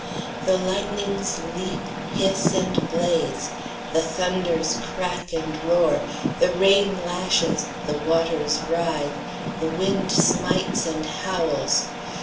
The lightnings leap, hiss, and blaze; the thunders crack and roar; the rain lashes; the waters writhe; the wind smites and howls.